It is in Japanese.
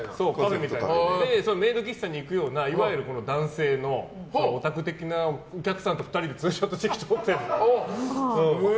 メイド喫茶に行くようないわゆる男性のオタク的なお客さんとツーショットチェキ撮ってる。